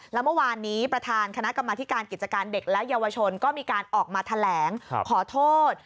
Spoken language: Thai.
แล้วเมื่อวานนี้ประธานคณะกรรมธิการกิจการเด็กและเยาวชนก็มีการออกมาแถลงขอโทษ